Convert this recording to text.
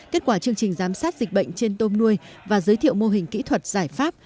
kết quả chương trình giám sát dịch bệnh trên tôm nuôi và giới thiệu mô hình kỹ thuật giải pháp